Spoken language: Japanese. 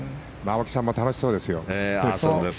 青木さんも楽しそうですよ。